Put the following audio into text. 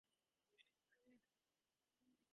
The name was accidentally transferred north.